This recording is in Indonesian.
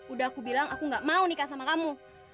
udah aku bilang aku gak mau nikah sama kamu